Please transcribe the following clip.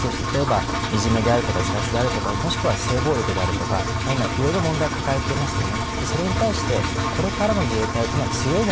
自衛隊の組織としていじめであるとか自殺であるとかもしくは性暴力とか今いろいろと問題を抱えてますよね。